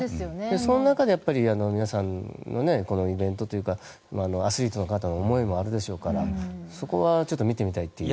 その中で皆さんのイベントというかアスリートの方の思いもあるでしょうからそこは見てみたいという。